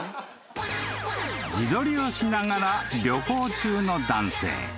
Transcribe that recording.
［自撮りをしながら旅行中の男性］